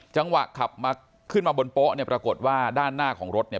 จังหวะขับมาขึ้นมาบนโป๊ะเนี่ยปรากฏว่าด้านหน้าของรถเนี่ย